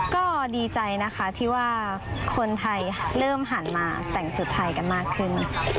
ก็ดีใจนะคะที่ว่าคนไทยเริ่มหันมาแต่งชุดไทยกันมากขึ้น